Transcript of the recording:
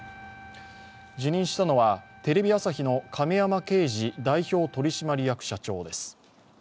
辞任したのはテレビ朝日の亀山慶二代表取締役社長です。